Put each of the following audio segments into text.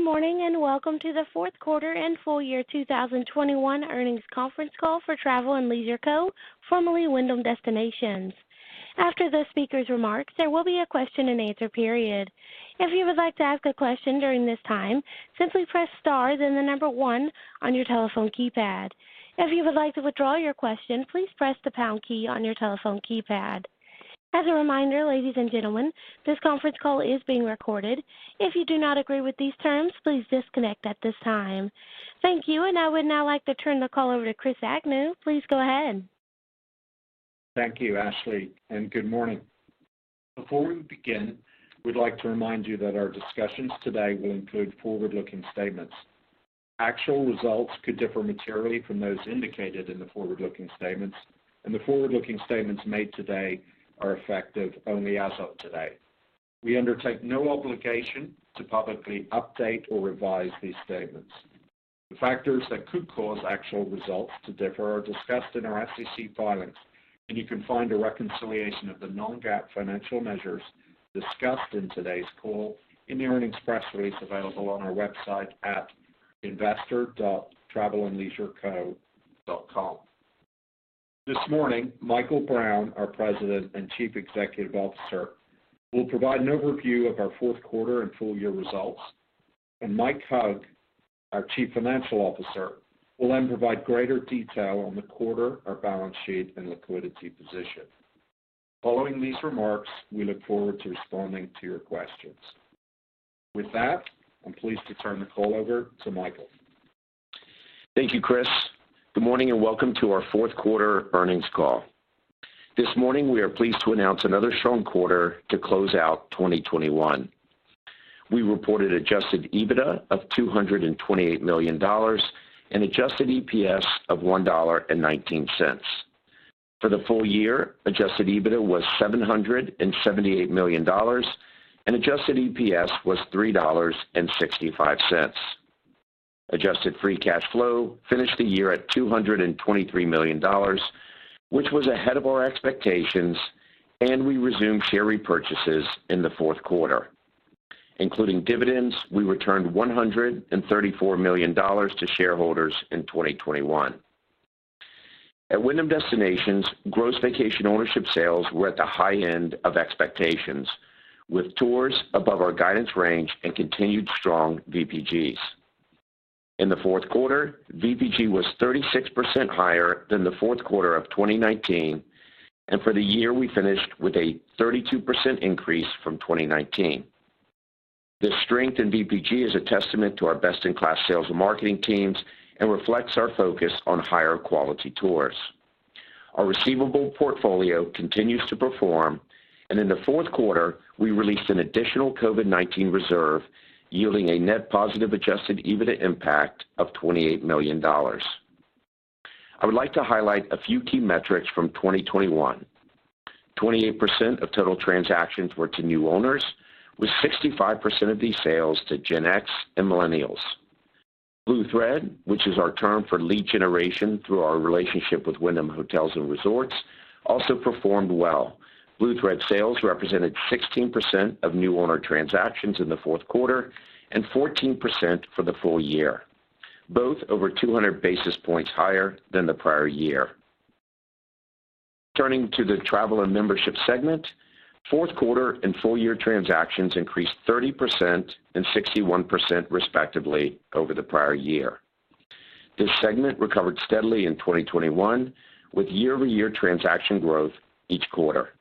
Good morning, and welcome to the fourth quarter and full year 2021 earnings conference call for Travel + Leisure Co, formerly Wyndham Destinations. After the speaker's remarks, there will be a question-and-answer period. If you would like to ask a question during this time, simply press star, then the number one on your telephone keypad. If you would like to withdraw your question, please press the pound key on your telephone keypad. As a reminder, ladies and gentlemen, this conference call is being recorded. If you do not agree with these terms, please disconnect at this time. Thank you, and I would now like to turn the call over to Chris Agnew. Please go ahead. Thank you, Ashley, and good morning. Before we begin, we'd like to remind you that our discussions today will include forward-looking statements. Actual results could differ materially from those indicated in the forward-looking statements, and the forward-looking statements made today are effective only as of today. We undertake no obligation to publicly update or revise these statements. The factors that could cause actual results to differ are discussed in our SEC filings, and you can find a reconciliation of the non-GAAP financial measures discussed in today's call in the earnings press release available on our website at investor.travelandleisureco.com. This morning, Michael Brown, our President and Chief Executive Officer, will provide an overview of our fourth quarter and full year results, and Mike Hug, our Chief Financial Officer, will then provide greater detail on the quarter, our balance sheet, and liquidity position. Following these remarks, we look forward to responding to your questions. With that, I'm pleased to turn the call over to Michael. Thank you, Chris. Good morning and welcome to our fourth quarter earnings call. This morning, we are pleased to announce another strong quarter to close out 2021. We reported adjusted EBITDA of $228 million and adjusted EPS of $1.19. For the full year, adjusted EBITDA was $778 million, and adjusted EPS was $3.65. Adjusted free cash flow finished the year at $223 million, which was ahead of our expectations, and we resumed share repurchases in the fourth quarter. Including dividends, we returned $134 million to shareholders in 2021. At Wyndham Destinations, gross vacation ownership sales were at the high end of expectations, with tours above our guidance range and continued strong VPGs. In the fourth quarter, VPG was 36% higher than the fourth quarter of 2019, and for the year, we finished with a 32% increase from 2019. This strength in VPG is a testament to our best-in-class sales and marketing teams and reflects our focus on higher quality tours. Our receivable portfolio continues to perform, and in the fourth quarter, we released an additional COVID-19 reserve, yielding a net positive adjusted EBITDA impact of $28 million. I would like to highlight a few key metrics from 2021. 28% of total transactions were to new owners, with 65% of these sales to Gen X and millennials. BlueThread, which is our term for lead generation through our relationship with Wyndham Hotels & Resorts, also performed well. BlueThread sales represented 16% of new owner transactions in the fourth quarter and 14% for the full year, both over 200 basis points higher than the prior year. Turning to the traveler membership segment, fourth quarter and full year transactions increased 30% and 61% respectively over the prior year. This segment recovered steadily in 2021, with year-over-year transaction growth each quarter.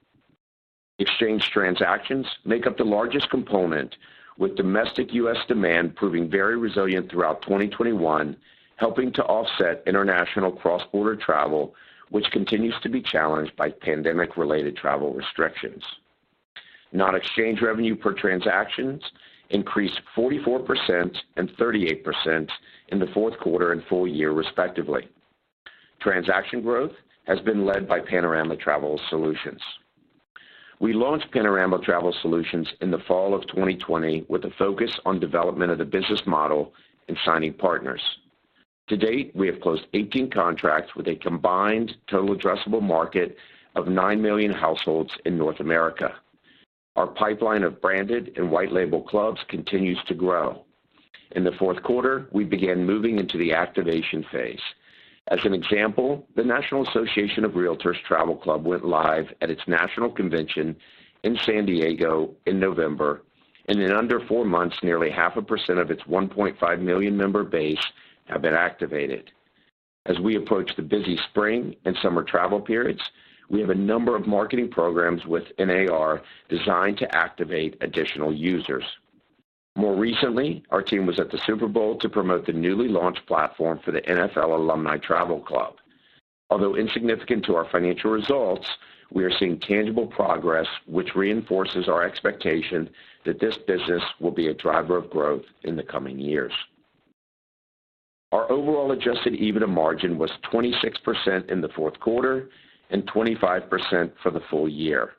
Exchange transactions make up the largest component, with domestic U.S. demand proving very resilient throughout 2021, helping to offset international cross-border travel, which continues to be challenged by pandemic related travel restrictions. Non-exchange revenue per transactions increased 44% and 38% in the fourth quarter and full year respectively. Transaction growth has been led by Panorama Travel Solutions. We launched Panorama Travel Solutions in the fall of 2020 with a focus on development of the business model and signing partners. To date, we have closed 18 contracts with a combined total addressable market of 9 million households in North America. Our pipeline of branded and white label clubs continues to grow. In the fourth quarter, we began moving into the activation phase. As an example, the National Association of Realtors Travel Club went live at its national convention in San Diego in November, and in under four months, nearly 0.5% of its 1.5 million member base have been activated. As we approach the busy spring and summer travel periods, we have a number of marketing programs with NAR designed to activate additional users. More recently, our team was at the Super Bowl to promote the newly launched platform for the NFL Alumni Travel Club. Although insignificant to our financial results, we are seeing tangible progress which reinforces our expectation that this business will be a driver of growth in the coming years. Our overall adjusted EBITDA margin was 26% in the fourth quarter and 25% for the full year.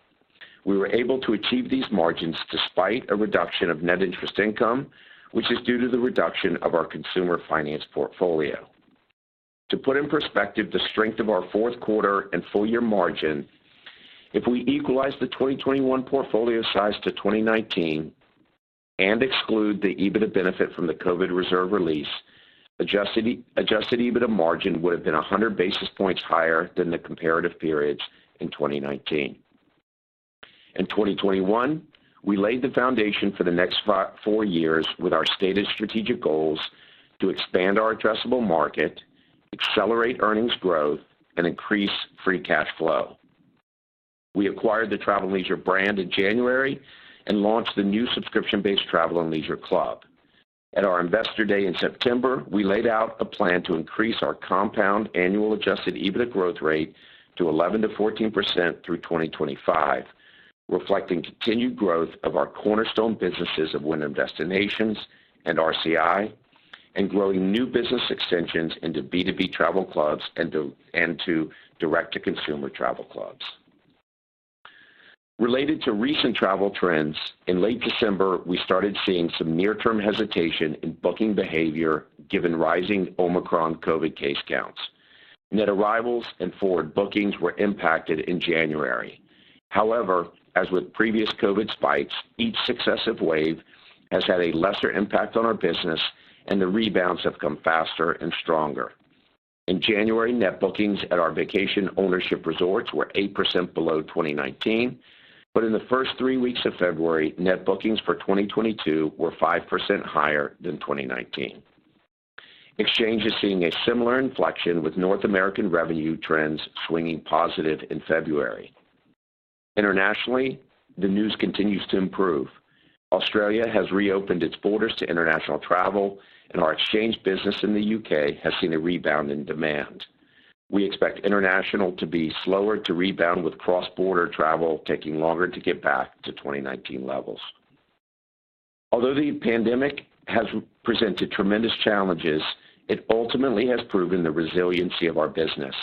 We were able to achieve these margins despite a reduction of net interest income, which is due to the reduction of our consumer finance portfolio. To put in perspective the strength of our fourth quarter and full year margin, if we equalize the 2021 portfolio size to 2019 and exclude the EBITDA benefit from the COVID reserve release, adjusted EBITDA margin would have been 100 basis points higher than the comparative periods in 2019. In 2021, we laid the foundation for the next four years with our stated strategic goals to expand our addressable market, accelerate earnings growth, and increase free cash flow. We acquired the Travel + Leisure brand in January and launched the new subscription-based Travel + Leisure club. At our Investor Day in September, we laid out a plan to increase our compound annual adjusted EBITDA growth rate to 11%-14% through 2025, reflecting continued growth of our cornerstone businesses of Wyndham Destinations and RCI, and growing new business extensions into B2B travel clubs and to direct-to-consumer travel clubs. Related to recent travel trends, in late December, we started seeing some near-term hesitation in booking behavior given rising Omicron COVID case counts. Net arrivals and forward bookings were impacted in January. However, as with previous COVID spikes, each successive wave has had a lesser impact on our business, and the rebounds have come faster and stronger. In January, net bookings at our Vacation Ownership resorts were 8% below 2019, but in the first 3 weeks of February, net bookings for 2022 were 5% higher than 2019. Exchange is seeing a similar inflection with North American revenue trends swinging positive in February. Internationally, the news continues to improve. Australia has reopened its borders to international travel and our exchange business in the U.K. has seen a rebound in demand. We expect international to be slower to rebound with cross-border travel taking longer to get back to 2019 levels. Although the pandemic has presented tremendous challenges, it ultimately has proven the resiliency of our business.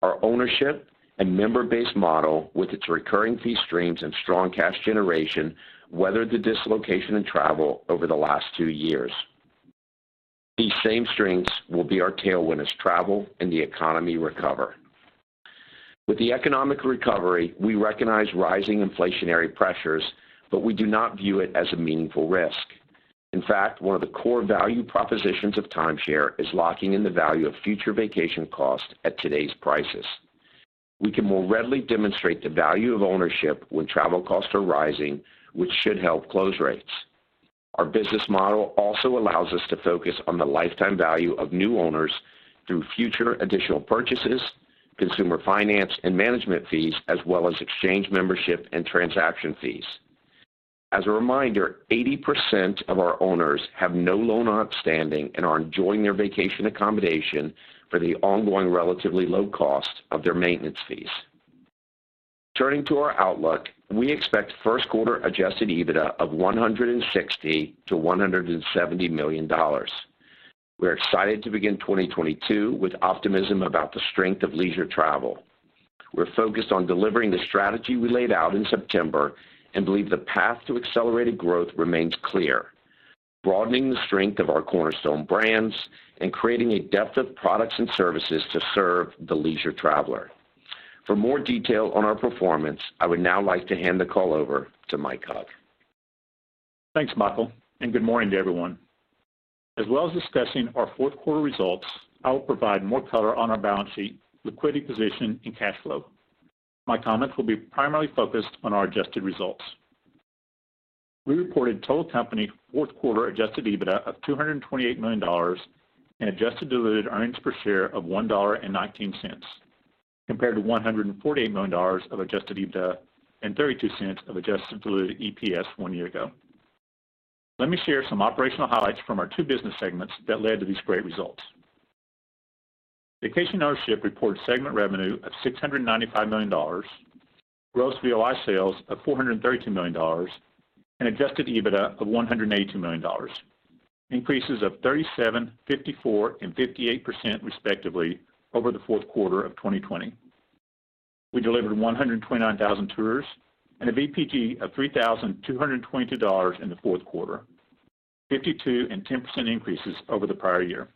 Our ownership and member-based model with its recurring fee streams and strong cash generation weathered the dislocation in travel over the last two years. These same strengths will be our tailwind as travel and the economy recover. With the economic recovery, we recognize rising inflationary pressures, but we do not view it as a meaningful risk. In fact, one of the core value propositions of timeshare is locking in the value of future vacation costs at today's prices. We can more readily demonstrate the value of ownership when travel costs are rising, which should help close rates. Our business model also allows us to focus on the lifetime value of new owners through future additional purchases, consumer finance and management fees, as well as exchange membership and transaction fees. As a reminder, 80% of our owners have no loan outstanding and are enjoying their vacation accommodation for the ongoing relatively low cost of their maintenance fees. Turning to our outlook, we expect first quarter adjusted EBITDA of $160 million-$170 million. We're excited to begin 2022 with optimism about the strength of leisure travel. We're focused on delivering the strategy we laid out in September and believe the path to accelerated growth remains clear, broadening the strength of our cornerstone brands and creating a depth of products and services to serve the leisure traveler. For more detail on our performance, I would now like to hand the call over to Mike Hug. Thanks, Michael, and good morning to everyone. As well as discussing our fourth quarter results, I will provide more color on our balance sheet, liquidity position and cash flow. My comments will be primarily focused on our adjusted results. We reported total company fourth quarter adjusted EBITDA of $228 million and adjusted diluted earnings per share of $1.19 compared to $148 million of adjusted EBITDA and $0.32 of adjusted diluted EPS one year ago. Let me share some operational highlights from our two business segments that led to these great results. Vacation Ownership reported segment revenue of $695 million, gross VOI sales of $432 million and adjusted EBITDA of $182 million, increases of 37%, 54%, and 58% respectively over the fourth quarter of 2020. We delivered 129,000 tours and a VPG of $3,222 in the fourth quarter, 52% and 10% increases over the prior year.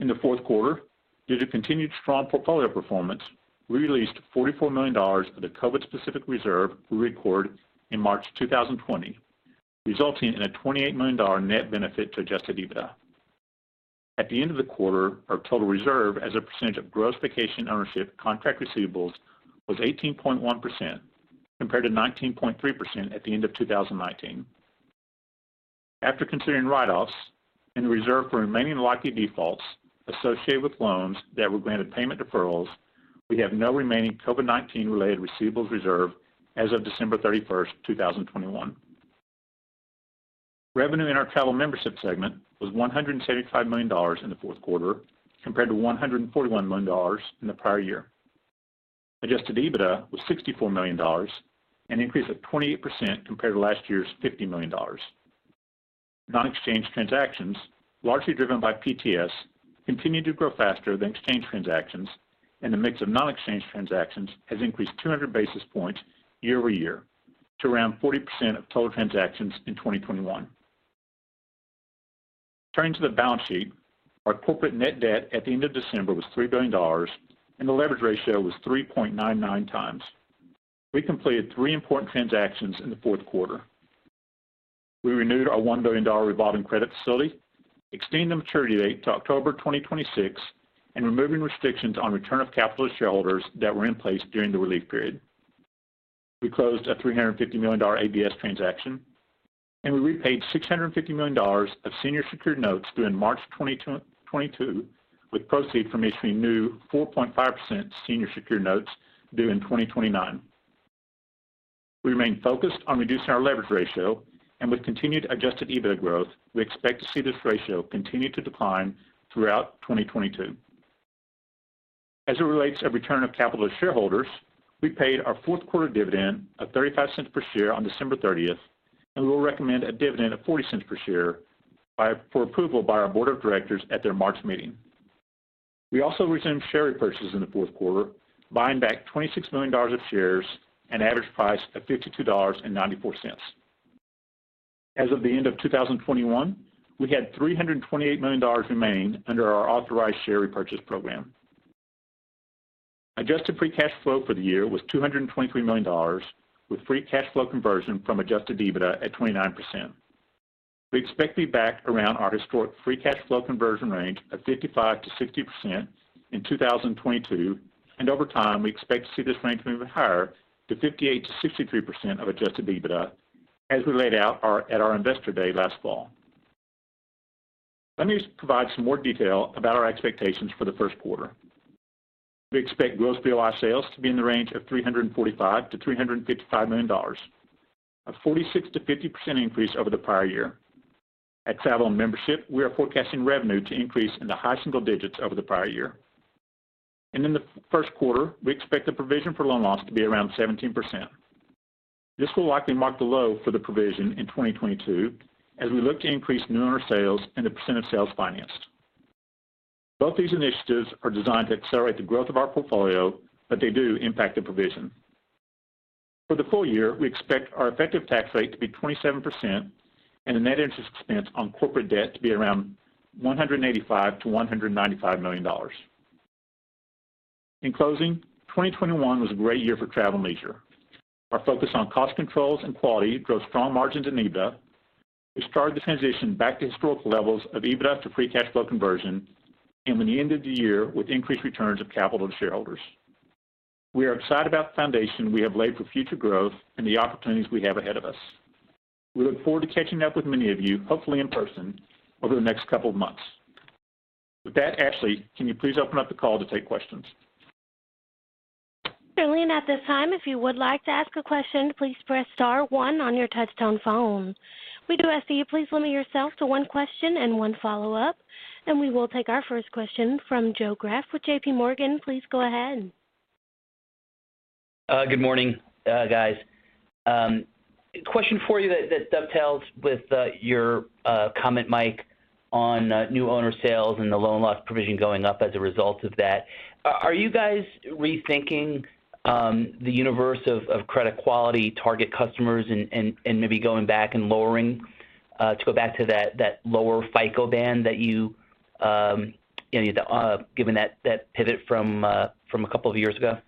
In the fourth quarter, due to continued strong portfolio performance, we released $44 million of the COVID-specific reserve we record in March 2020, resulting in a $28 million net benefit to adjusted EBITDA. At the end of the quarter, our total reserve as a percentage of gross Vacation Ownership contract receivables was 18.1% compared to 19.3% at the end of 2019. After considering write-offs and the reserve for remaining likely defaults associated with loans that were granted payment deferrals, we have no remaining COVID-19 related receivables reserve as of December 31st, 2021. Revenue in our Travel and Membership segment was $175 million in the fourth quarter compared to $141 million in the prior year. Adjusted EBITDA was $64 million, an increase of 28% compared to last year's $50 million. Non-exchange transactions, largely driven by PTS, continued to grow faster than exchange transactions and the mix of non-exchange transactions has increased 200 basis points year-over-year to around 40% of total transactions in 2021. Turning to the balance sheet, our corporate net debt at the end of December was $3 billion, and the leverage ratio was 3.99 times. We completed three important transactions in the fourth quarter. We renewed our $1 billion revolving credit facility, extending the maturity date to October 2026, and removing restrictions on return of capital to shareholders that were in place during the relief period. We closed a $350 million ABS transaction, and we repaid $650 million of senior secured notes due in March 2022, with proceeds from issuing new 4.5% senior secured notes due in 2029. We remain focused on reducing our leverage ratio, and with continued adjusted EBITDA growth, we expect to see this ratio continue to decline throughout 2022. As it relates to return of capital to shareholders, we paid our fourth quarter dividend of $0.35 per share on December 30th, and we will recommend a dividend of $0.40 per share for approval by our board of directors at their March meeting. We also resumed share repurchases in the fourth quarter, buying back $26 million of shares at an average price of $52.94. As of the end of 2021, we had $328 million remaining under our authorized share repurchase program. Adjusted free cash flow for the year was $223 million with free cash flow conversion from adjusted EBITDA at 29%. We expect to be back around our historic free cash flow conversion range of 55%-60% in 2022, and over time, we expect to see this range move higher to 58%-63% of adjusted EBITDA as we laid out at our Investor Day last fall. Let me just provide some more detail about our expectations for the first quarter. We expect Gross VOI sales to be in the range of $345 million-$355 million, a 46%-50% increase over the prior year. At Travel and Membership, we are forecasting revenue to increase in the high single digits over the prior year. In the first quarter, we expect the provision for loan loss to be around 17%. This will likely mark the low for the provision in 2022 as we look to increase new owner sales and the percent of sales financed. Both these initiatives are designed to accelerate the growth of our portfolio, but they do impact the provision. For the full year, we expect our effective tax rate to be 27% and the net interest expense on corporate debt to be around $185 million-$195 million. In closing, 2021 was a great year for Travel + Leisure. Our focus on cost controls and quality drove strong margins in EBITDA. We started the transition back to historical levels of EBITDA to free cash flow conversion, and we ended the year with increased returns of capital to shareholders. We are excited about the foundation we have laid for future growth and the opportunities we have ahead of us. We look forward to catching up with many of you, hopefully in person, over the next couple of months. With that, Ashley, can you please open up the call to take questions? Certainly. At this time, if you would like to ask a question, please press star one on your touchtone phone. We do ask that you please limit yourself to one question and one follow-up, and we will take our first question from Joe Greff with JPMorgan. Please go ahead. Good morning, guys. Question for you that dovetails with your comment, Mike, on new owner sales and the loan loss provision going up as a result of that. Are you guys rethinking the universe of credit quality target customers and maybe going back and lowering to go back to that lower FICO band that you know, given that pivot from a couple of years ago?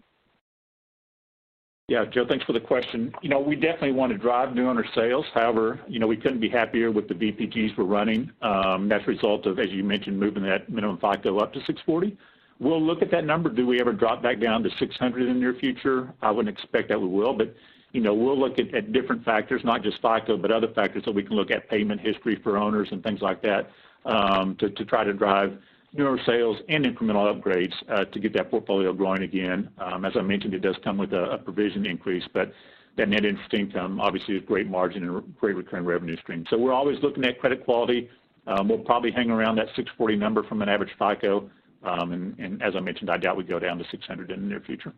Yeah. Joe, thanks for the question. You know, we definitely want to drive new owner sales. However, you know, we couldn't be happier with the VPGs we're running. That's a result of, as you mentioned, moving that minimum FICO up to 640. We'll look at that number. Do we ever drop back down to 600 in the near future? I wouldn't expect that we will, but, you know, we'll look at different factors, not just FICO, but other factors. We can look at payment history for owners and things like that to try to drive newer sales and incremental upgrades to get that portfolio growing again. As I mentioned, it does come with a provision increase, but that net interest income obviously is great margin and really great recurring revenue stream. We're always looking at credit quality. We'll probably hang around that 640 number from an average FICO. As I mentioned, I doubt we go down to 600 in the near future.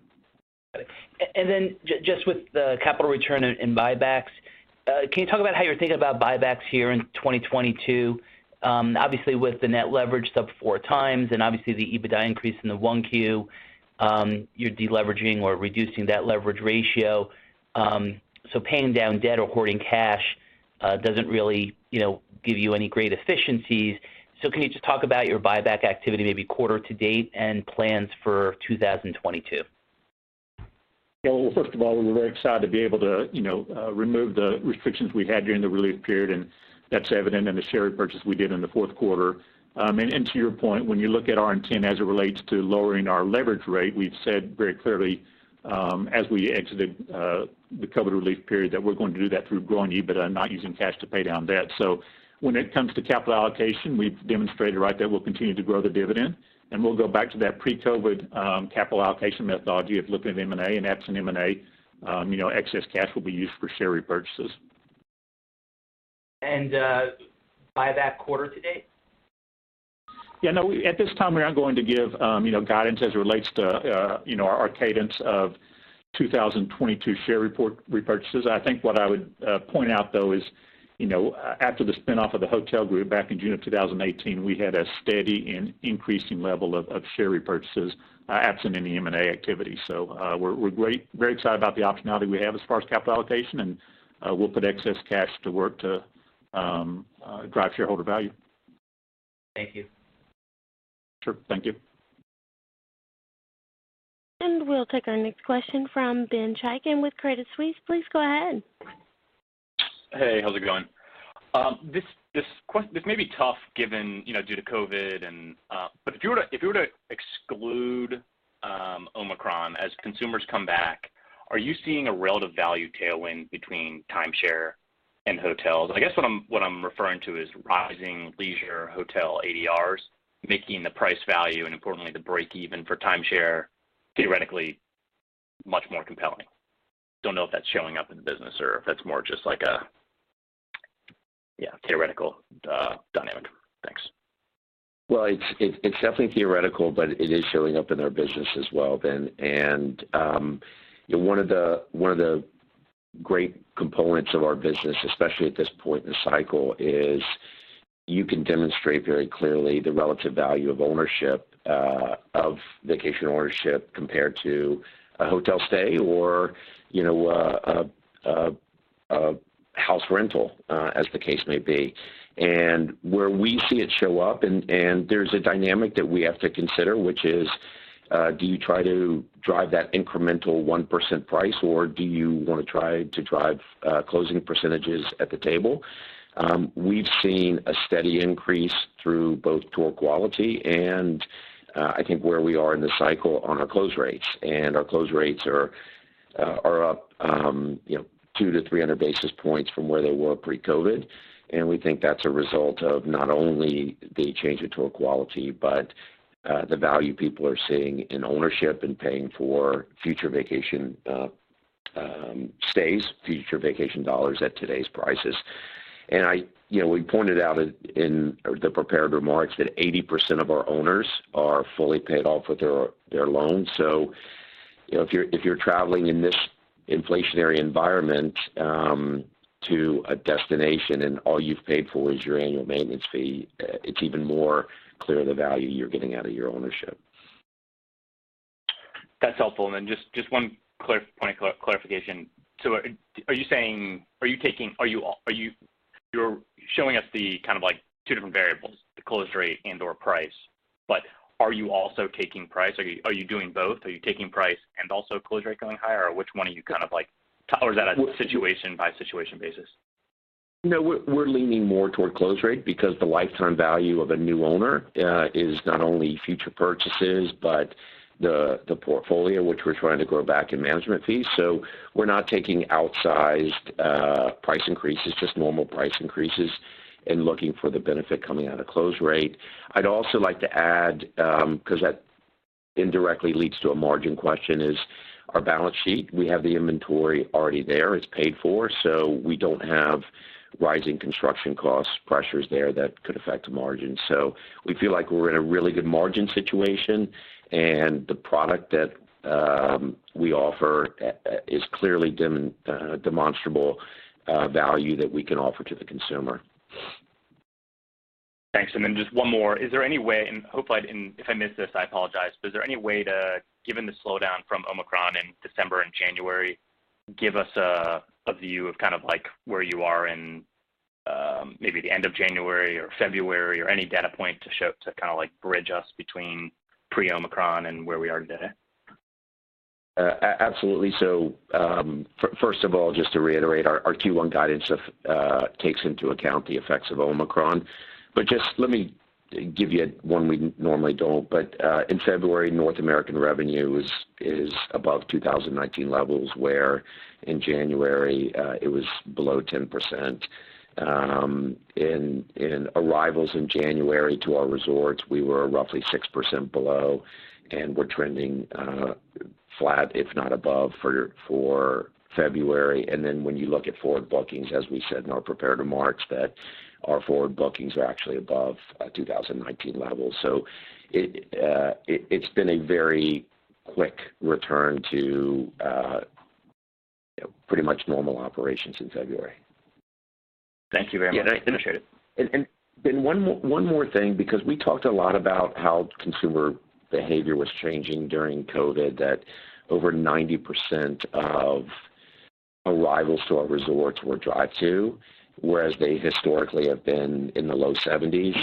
Got it. Just with the capital return and buybacks, can you talk about how you're thinking about buybacks here in 2022? Obviously with the net leverage sub 4x and obviously the EBITDA increase in 1Q, you're de-leveraging or reducing that leverage ratio. Paying down debt or hoarding cash doesn't really, you know, give you any great efficiencies. Can you just talk about your buyback activity maybe quarter to date and plans for 2022? Yeah. Well, first of all, we're very excited to be able to, you know, remove the restrictions we had during the relief period, and that's evident in the share repurchase we did in the fourth quarter. To your point, when you look at our intent as it relates to lowering our leverage rate, we've said very clearly, as we exited the COVID relief period, that we're going to do that through growing EBITDA, not using cash to pay down debt. When it comes to capital allocation, we've demonstrated right there we'll continue to grow the dividend, and we'll go back to that pre-COVID capital allocation methodology of looking at M&A and absent M&A, you know, excess cash will be used for share repurchases. Buyback quarter to date? Yeah. No, at this time, we're not going to give, you know, guidance as it relates to, you know, our cadence of 2022 share repurchases. I think what I would point out though is, you know, after the spin-off of the hotel group back in June of 2018, we had a steady and increasing level of share repurchases, absent any M&A activity. We're very excited about the optionality we have as far as capital allocation, and we'll put excess cash to work to drive shareholder value. Thank you. Sure. Thank you. We'll take our next question from Ben Chaiken with Credit Suisse. Please go ahead. Hey, how's it going? This may be tough given, you know, due to COVID and if you were to exclude Omicron as consumers come back, are you seeing a relative value tailwind between timeshare and hotels? I guess what I'm referring to is rising leisure hotel ADRs making the price value, and importantly, the break-even for timeshare theoretically much more compelling. Don't know if that's showing up in the business or if that's more just theoretical dynamic. Thanks. Well, it's definitely theoretical, but it is showing up in our business as well, Ben. You know, one of the great components of our business, especially at this point in the cycle, is you can demonstrate very clearly the relative value of ownership of Vacation Ownership compared to a hotel stay or, you know, a house rental, as the case may be. Where we see it show up and there's a dynamic that we have to consider, which is, do you try to drive that incremental 1% price or do you wanna try to drive closing percentages at the table? We've seen a steady increase through both tour quality and I think where we are in the cycle on our close rates. Our close rates are up, you know, 200-300 basis points from where they were pre-COVID. We think that's a result of not only the change in tour quality, but the value people are seeing in ownership and paying for future vacation stays, future vacation dollars at today's prices. You know, we pointed out in the prepared remarks that 80% of our owners are fully paid off with their loans. You know, if you're traveling in this inflationary environment to a destination and all you've paid for is your annual maintenance fee, it's even more clear the value you're getting out of your ownership. That's helpful. Then just one point of clarification. So are you saying you're showing us the kind of like two different variables, the close rate and/or price. But are you also taking price? Are you doing both? Are you taking price and also close rate going higher or which one are you kind of like? Or is that a situation by situation basis? No, we're leaning more toward close rate because the lifetime value of a new owner is not only future purchases but the portfolio which we're trying to grow back in management fees. We're not taking outsized price increases, just normal price increases and looking for the benefit coming out of close rate. I'd also like to add, 'cause that indirectly leads to a margin question, is our balance sheet. We have the inventory already there. It's paid for. We don't have rising construction costs pressures there that could affect margins. We feel like we're in a really good margin situation, and the product that we offer is clearly demonstrable value that we can offer to the consumer. Thanks. Then just one more. Is there any way. If I missed this, I apologize. Is there any way to, given the slowdown from Omicron in December and January, give us a view of kind of like where you are in, maybe the end of January or February or any data point to kind of like bridge us between pre-Omicron and where we are today? Absolutely. First of all, just to reiterate, our Q1 guidance takes into account the effects of Omicron. Just let me give you one we normally don't. In February, North American revenue is above 2019 levels, whereas in January, it was below 10%. In arrivals in January to our resorts, we were roughly 6% below, and we're trending flat if not above for February. When you look at forward bookings, as we said in our prepared remarks, that our forward bookings are actually above 2019 levels. It's been a very quick return to pretty much normal operations in February. Thank you very much. Yeah. Appreciate it. Ben, one more thing, because we talked a lot about how consumer behavior was changing during COVID, that over 90% of arrivals to our resorts were drive-to, whereas they historically have been in the low 70s.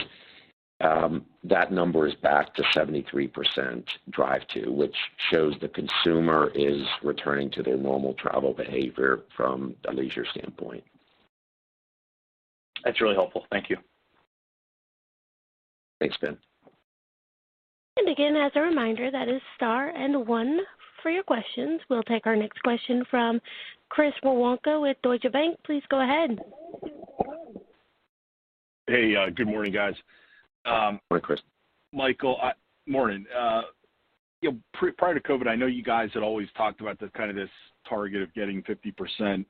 That number is back to 73% drive-to, which shows the consumer is returning to their normal travel behavior from a leisure standpoint. That's really helpful. Thank you. Thanks, Ben. Again, as a reminder, that is star and one for your questions. We'll take our next question from Chris Woronka with Deutsche Bank. Please go ahead. Hey, good morning, guys. Morning, Chris. Michael, morning. You know, prior to COVID, I know you guys had always talked about the kind of this target of getting 50%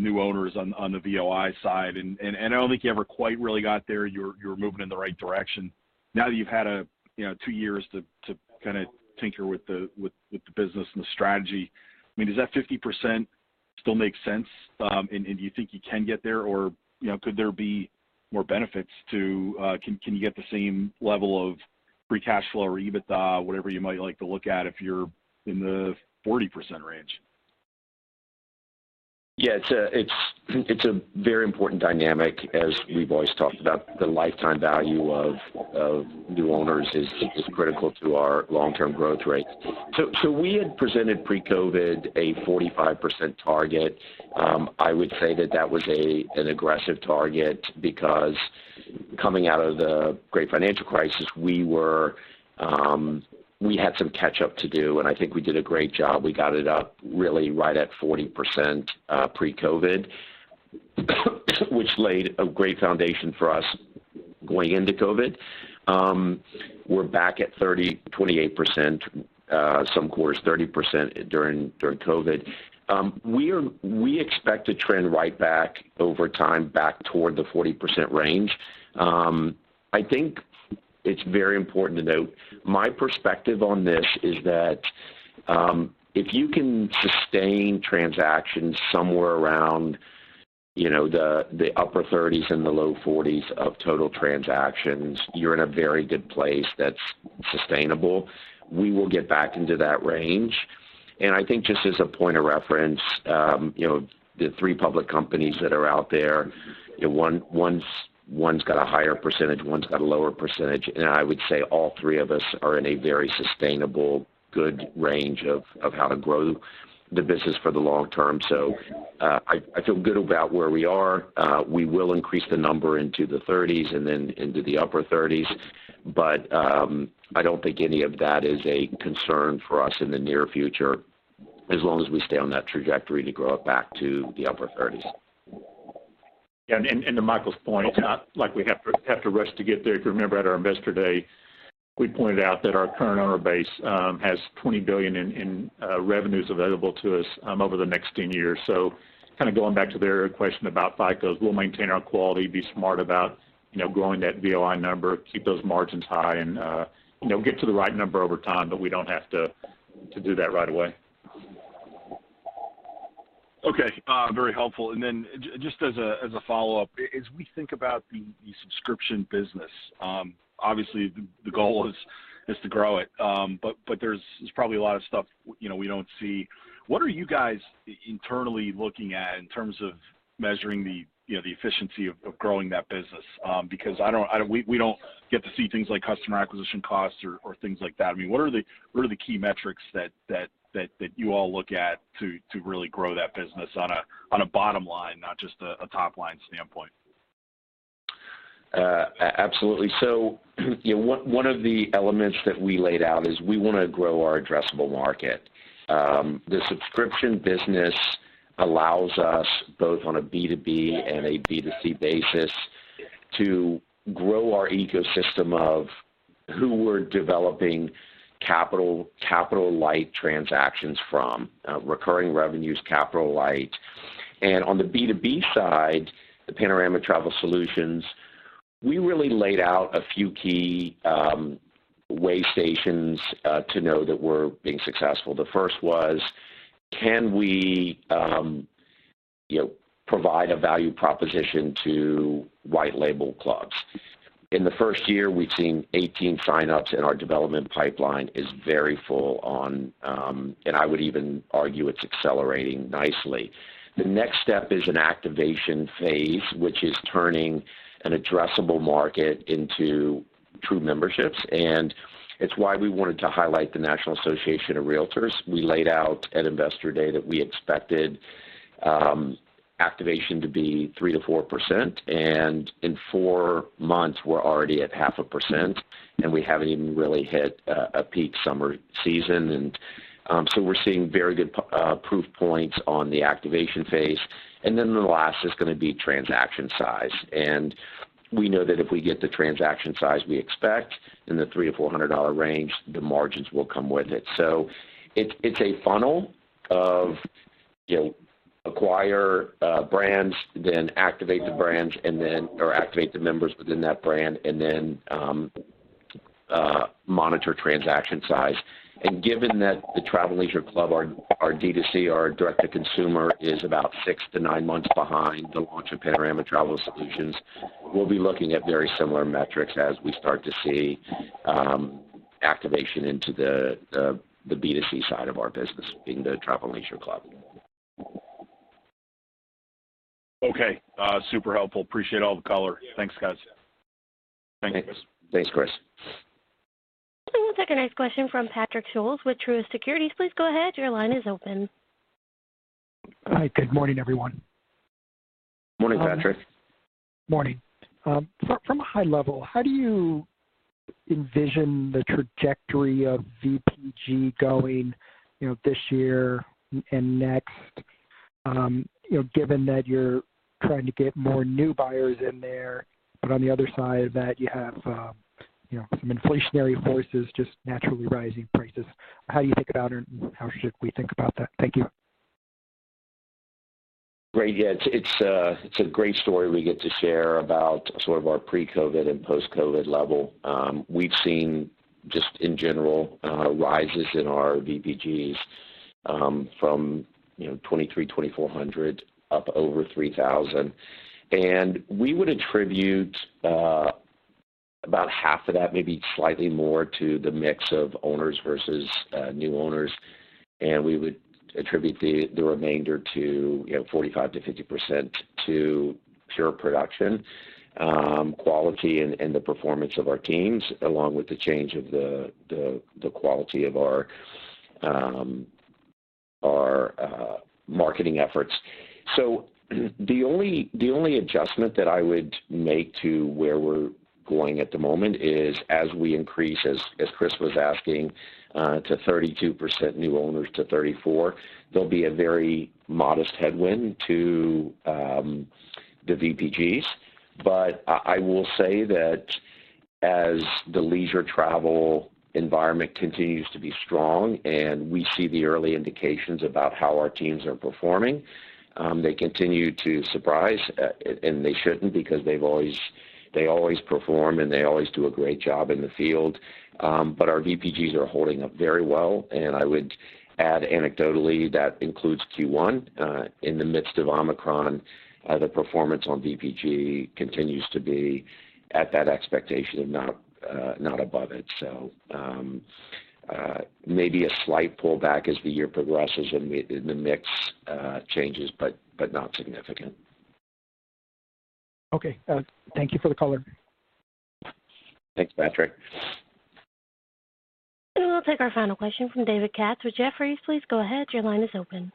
new owners on the VOI side, and I don't think you ever quite really got there. You were moving in the right direction. Now that you've had 2 years to kind of tinker with the business and the strategy, I mean, does that 50% still make sense? Do you think you can get there or, you know, could there be more benefits to? Can you get the same level of free cash flow or EBITDA, whatever you might like to look at if you're in the 40% range? Yeah, it's a very important dynamic as we've always talked about the lifetime value of new owners is critical to our long-term growth rate. We had presented pre-COVID a 45% target. I would say that was an aggressive target because coming out of the Great Financial Crisis, we had some catch-up to do, and I think we did a great job. We got it up really right at 40% pre-COVID, which laid a great foundation for us going into COVID. We're back at 28%-30%, some quarters 30% during COVID. We expect to trend right back over time back toward the 40% range. I think it's very important to note my perspective on this is that, if you can sustain transactions somewhere around, you know, the upper 30s and the low 40s of total transactions, you're in a very good place that's sustainable. We will get back into that range. I think just as a point of reference, you know, the three public companies that are out there, one's got a higher percentage, one's got a lower percentage, and I would say all three of us are in a very sustainable, good range of how to grow the business for the long term. I feel good about where we are. We will increase the number into the 30s and then into the upper 30s. I don't think any of that is a concern for us in the near future as long as we stay on that trajectory to grow it back to the upper thirties. Yeah. To Michael's point, like we have to rush to get there. If you remember at our Investor Day, we pointed out that our current owner base has $20 billion in revenues available to us over the next 10 years. Kind of going back to their question about FICOs, we'll maintain our quality, be smart about, you know, growing that VOI number, keep those margins high and, you know, get to the right number over time, but we don't have to do that right away. Okay. Very helpful. Just as a follow-up, as we think about the subscription business, obviously the goal is to grow it. But there's probably a lot of stuff, you know, we don't see. What are you guys internally looking at in terms of measuring, you know, the efficiency of growing that business? Because we don't get to see things like customer acquisition costs or things like that. I mean, what are the key metrics that you all look at to really grow that business on a bottom line, not just a top-line standpoint? Absolutely. You know, one of the elements that we laid out is we want to grow our addressable market. The subscription business allows us both on a B2B and a B2C basis to grow our ecosystem of who we're developing capital-light transactions from, recurring revenues, capital light. On the B2B side, the Panorama Travel Solutions, we really laid out a few key way stations to know that we're being successful. The first was, can we, you know, provide a value proposition to white label clubs? In the first year, we've seen 18 sign-ups, and our development pipeline is very full, and I would even argue it's accelerating nicely. The next step is an activation phase, which is turning an addressable market into true memberships. It's why we wanted to highlight the National Association of Realtors. We laid out at Investor Day that we expected activation to be 3%-4%, and in 4 months, we're already at 0.5%, and we haven't even really hit a peak summer season. So we're seeing very good proof points on the activation phase. Then the last is gonna be transaction size. We know that if we get the transaction size we expect in the $300-$400 range, the margins will come with it. It's a funnel of, you know, acquire brands, then activate the brands, or activate the members within that brand and then monitor transaction size. Given that the Travel + Leisure club, our D2C, our direct-to-consumer, is about 6-9 months behind the launch of Panorama Travel Solutions, we'll be looking at very similar metrics as we start to see activation into the B2C side of our business, being the Travel + Leisure club. Okay. Super helpful. Appreciate all the color. Thanks, guys. Thank you. Thanks, Chris. We'll take our next question from Patrick Scholes with Truist Securities. Please go ahead. Your line is open. Hi. Good morning, everyone. Morning, Patrick. Morning. From a high level, how do you envision the trajectory of VPG going, you know, this year and next, you know, given that you're trying to get more new buyers in there, but on the other side of that you have, you know, some inflationary forces just naturally rising prices. How do you think about it, and how should we think about that? Thank you. Great. Yeah, it's a great story we get to share about sort of our pre-COVID and post-COVID level. We've seen just in general rises in our VPGs from, you know, 2,300-2,400 up over 3,000. We would attribute about half of that, maybe slightly more to the mix of owners versus new owners. We would attribute the remainder to, you know, 45%-50% to pure production quality and the performance of our teams, along with the change of the quality of our marketing efforts. The only adjustment that I would make to where we're going at the moment is as we increase, as Chris was asking, to 32% new owners to 34%, there'll be a very modest headwind to the VPGs. I will say that as the leisure travel environment continues to be strong, and we see the early indications about how our teams are performing, they continue to surprise, and they shouldn't because they always perform, and they always do a great job in the field. Our VPGs are holding up very well, and I would add anecdotally that includes Q1. In the midst of Omicron, the performance on VPG continues to be at that expectation and not above it. Maybe a slight pullback as the year progresses and the mix changes, but not significant. Okay. Thank you for the color. Thanks, Patrick. We'll take our final question from David Katz with Jefferies. Please go ahead. Your line is open.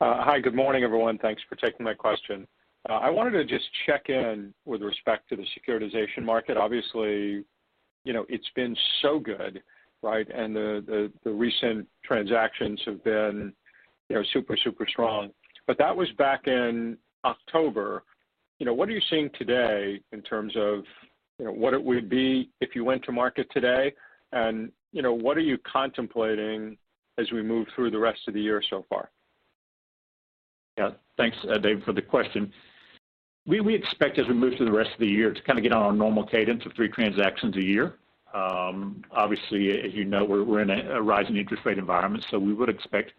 Hi. Good morning, everyone. Thanks for taking my question. I wanted to just check in with respect to the securitization market. Obviously, you know, it's been so good, right? The recent transactions have been, you know, super strong. But that was back in October. You know, what are you seeing today in terms of, you know, what it would be if you went to market today? You know, what are you contemplating as we move through the rest of the year so far? Yeah. Thanks, Dave, for the question. We expect as we move through the rest of the year to kind of get on our normal cadence of three transactions a year. Obviously, as you know, we're in a rising interest rate environment, so we would expect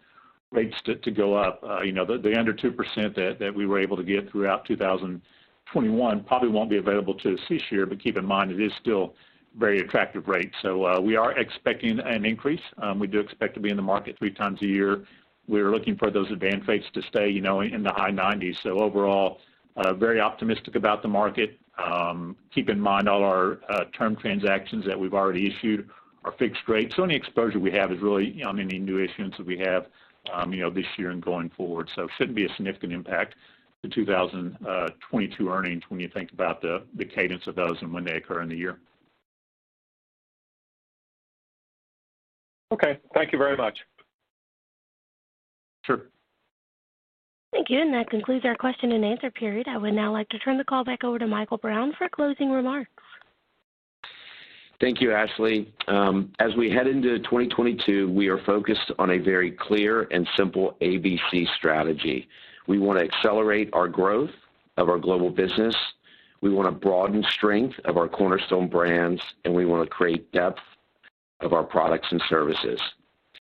rates to go up. You know, the under 2% that we were able to get throughout 2021 probably won't be available to us this year. Keep in mind, it is still very attractive rates. We are expecting an increase. We do expect to be in the market three times a year. We're looking for those advance rates to stay, you know, in the high 90s. Overall, very optimistic about the market. Keep in mind all our term transactions that we've already issued are fixed rate, so any exposure we have is really on any new issuance that we have, you know, this year and going forward. Shouldn't be a significant impact to 2022 earnings when you think about the cadence of those and when they occur in the year. Okay. Thank you very much. Sure. Thank you. That concludes our question and answer period. I would now like to turn the call back over to Michael Brown for closing remarks. Thank you, Ashley. As we head into 2022, we are focused on a very clear and simple ABC strategy. We wanna accelerate our growth of our global business, we wanna broaden strength of our cornerstone brands, and we wanna create depth of our products and services.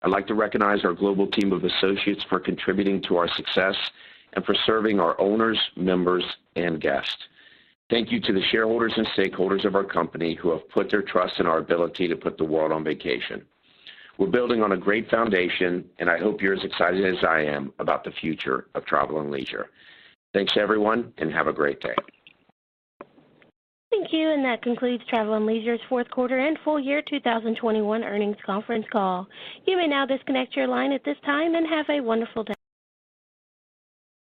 I'd like to recognize our global team of associates for contributing to our success and for serving our owners, members, and guests. Thank you to the shareholders and stakeholders of our company who have put their trust in our ability to put the world on vacation. We're building on a great foundation, and I hope you're as excited as I am about the future of Travel + Leisure. Thanks, everyone, and have a great day. Thank you. That concludes Travel + Leisure's fourth quarter and full year 2021 earnings conference call. You may now disconnect your line at this time, and have a wonderful day.